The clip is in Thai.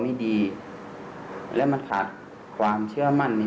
พอดีและผมก็ลุกขึ้นไป